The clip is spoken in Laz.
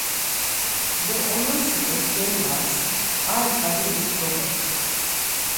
Do onaşi oç̌ǩendas ar ǩalivi doǩodu.